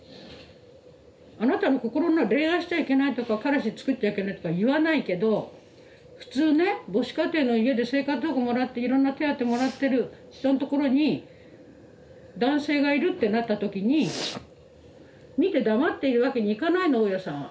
あなたの心が恋愛しちゃいけないとか彼氏つくっちゃいけないとか言わないけど普通ね母子家庭の家で生活保護もらっていろんな手当もらってる人のところに男性がいるってなった時に見て黙っているわけにいかないの大家さんは。